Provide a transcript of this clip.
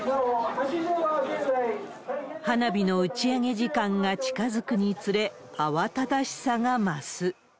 花火の打ち上げ時間が近づくにつれ、慌ただしさが増す。